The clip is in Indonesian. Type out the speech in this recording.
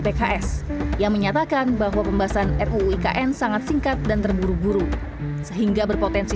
pks yang menyatakan bahwa pembahasan ruu ikn sangat singkat dan terburu buru sehingga berpotensi